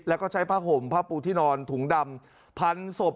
แล้วก็ใช้ผ้าห่มผ้าปูที่นอนถุงดำพันศพ